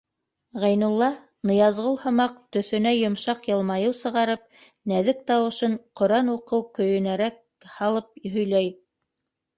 Ғәйнулла, Ныязғол һымаҡ, төҫөнә йомшаҡ йылмайыу сығарып, нәҙек тауышын ҡөрьән уҡыу көйөнәрәк һалып һөйләй: